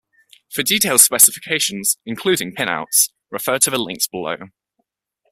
For detailed specifications, including pinouts, refer to the links below.